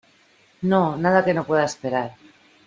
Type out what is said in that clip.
no, nada que no pueda esperar.